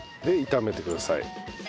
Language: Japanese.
で炒めてください。